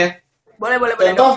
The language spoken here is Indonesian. boleh boleh boleh